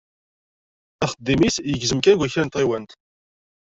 Axeddim-is yegzem kan deg wakal n tɣiwant.